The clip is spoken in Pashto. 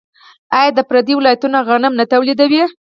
آیا د پریري ولایتونه غنم نه تولیدوي؟